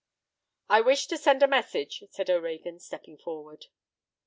"I wish to send a message," said O'Reagan, stepping forward.